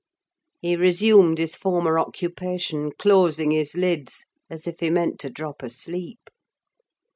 He resumed his former occupation, closing his lids, as if he meant to drop asleep.